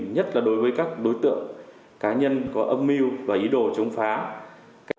nhất là đối với các đối tượng cá nhân có âm mưu và ý đồ chống phá